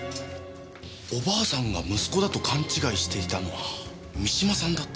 おばあさんが息子だと勘違いしていたのは三島さんだった。